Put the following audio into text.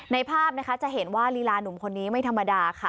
ภาพนะคะจะเห็นว่าลีลาหนุ่มคนนี้ไม่ธรรมดาค่ะ